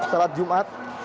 selesai salat jumat